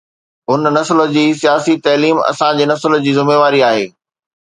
هن نسل جي سياسي تعليم اسان جي نسل جي ذميواري آهي.